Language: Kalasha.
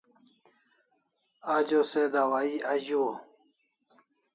Ajo se dawahi azuaw